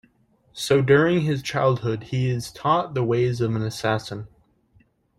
So during his childhood he is taught the ways of an assassin.